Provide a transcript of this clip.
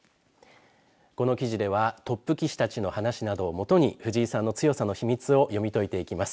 この記事ではトップ棋士たちの話などを基に藤井さんの強さの秘密を読み解いていきます。